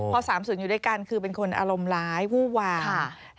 พอ๓๐อยู่ด้วยกันคือเป็นคนอารมณ์ร้ายวู้วา